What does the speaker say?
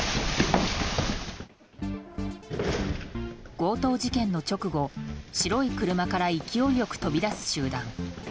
強盗事件の直後、白い車から勢いよく飛び出す集団。